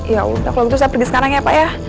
ya udah kalau gitu saya pergi sekarang ya pak ya